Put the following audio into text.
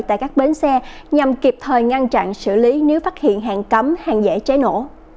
tại các bến xe nhằm kịp thời ngăn chặn xử lý nếu phát hiện hàng cấm hàng dễ cháy nổ